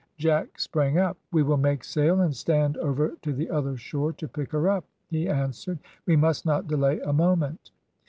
Jack sprang up. "We will make sail and stand over to the other shore to pick her up," he answered; "we must not delay a moment."